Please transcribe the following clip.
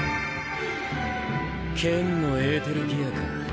剣のエーテルギアか。